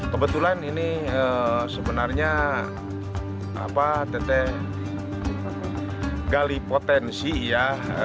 kebetulan ini sebenarnya tete gali potensi ya